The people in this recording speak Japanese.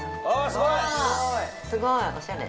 すごいすごいおしゃれ！